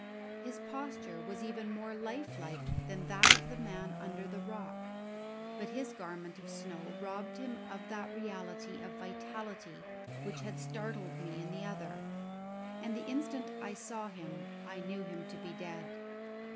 His posture was even more lifelike than that of the man under the rock, but his garment of snow robbed him of that reality of vitality which had startled me in the other, and the instant I saw him I knew him to be dead.